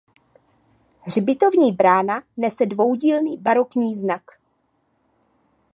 Hřbitovní brána nese dvoudílný barokní znak.